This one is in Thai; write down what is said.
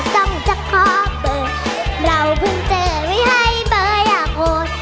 จงจะขอเบอร์เราพิมเจไม่ให้เบอร์อย่าโง่